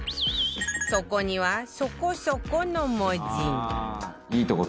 そこには「そこそこ」の文字